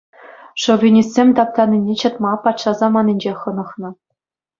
Шовинистсем таптанине чӑтма патша саманинчех хӑнӑхнӑ.